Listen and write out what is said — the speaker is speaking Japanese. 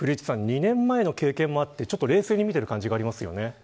２年前の経験もあって冷静に見てる感じがありますよね。